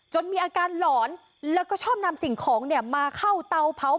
มีอาการหลอนแล้วก็ชอบนำสิ่งของเนี่ยมาเข้าเตาเผา